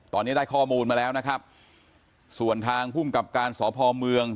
ตอนนี้ได้ข้อมูลมาแล้วนะครับส่วนทางภูมิกับการสพเมือง